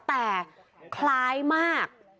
แต่คล้ายมาก